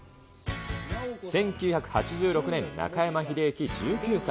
１９８６年、中山秀征１９歳。